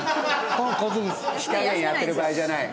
火加減やってる場合じゃない。